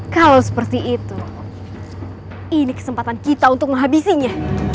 kalau seperti itu ini kesempatan kita untuk menghabisinya